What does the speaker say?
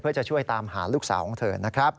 เพื่อจะช่วยตามหาลูกสาวของเธอนะครับ